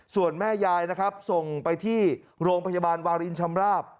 ส่วนแม่ยายนะครับส่งไปที่โรงพยาบาลวารินชำราบ